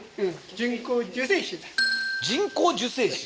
人工授精師？